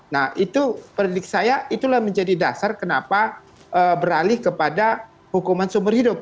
nah itu predik saya itulah menjadi dasar kenapa beralih kepada hukuman sumber hidup